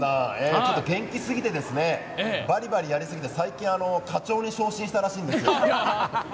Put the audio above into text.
元気すぎてバリバリやりすぎて、最近課長に昇進したそうなんです。